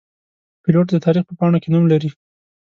پیلوټ د تاریخ په پاڼو کې نوم لري.